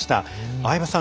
相葉さん